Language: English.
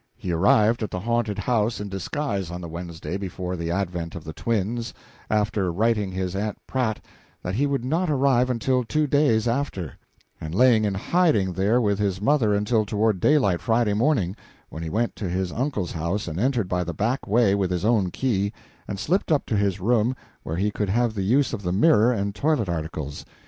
He arrived at the haunted house in disguise on the Wednesday before the advent of the twins after writing his aunt Pratt that he would not arrive until two days after and lay in hiding there with his mother until toward daylight Friday morning, when he went to his uncle's house and entered by the back way with his own key, and slipped up to his room, where he could have the use of the mirror and toilet articles.